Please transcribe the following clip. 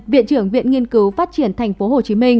viện trưởng viện nghiên cứu phát triển tp hcm